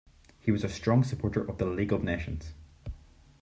He was a strong supporter of the League of Nations.